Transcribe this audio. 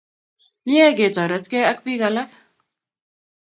Mye ketoretkei ak piik alak